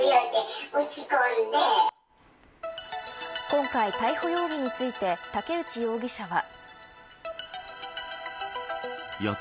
今回、逮捕容疑について武内容疑者は。